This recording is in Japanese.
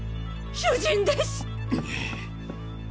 主人です！